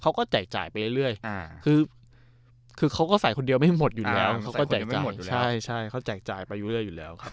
เขาก็จ่ายไปเรื่อยคือเขาก็ใส่คนเดียวไม่หมดอยู่แล้ว